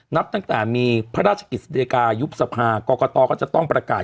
นับตั้งแต่ามีภรรษกิจสุดีกายุปสภาก็จะต้องประกาศ